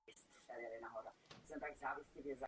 K rekonstrukci zámku pak došlo až v novém tisíciletí.